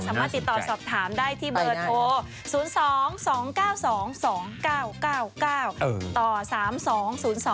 สามารถติดต่อสอบถามได้ที่เบอร์โทร๐๒๒๙๒๒๙๙๙ต่อ๓๒๐๒